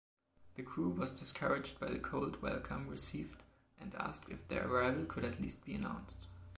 The crew was discouraged by the cold welcome received and asked if their arrival could at least be announced.